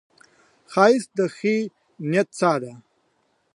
ښایست د ښې نیت ساه ده